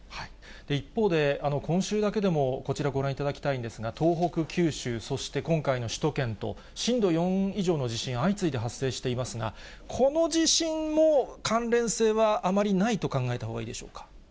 一方で、今週だけでもこちらご覧いただきたいんですが、東北、九州、そして今回の首都圏と、震度４以上の地震、相次いで発生していますが、この地震も関連性はあまりないと考えたほうがいいでしょうか。